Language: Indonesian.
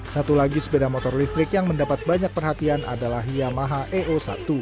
satu lagi sepeda motor listrik yang mendapat banyak perhatian adalah yamaha eo satu